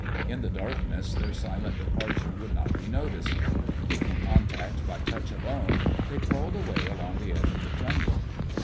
In the darkness their silent departure would not be noticed. Keeping contact by touch alone, they crawled away along the edge of the jungle.